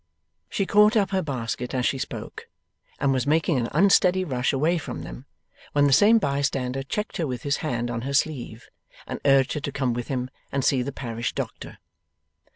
She caught up her basket as she spoke and was making an unsteady rush away from them, when the same bystander checked her with his hand on her sleeve, and urged her to come with him and see the parish doctor.